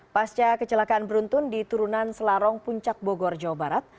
pasca kecelakaan beruntun di turunan selarong puncak bogor jawa barat